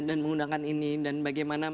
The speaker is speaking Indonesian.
dan menggunakan ini dan bagaimana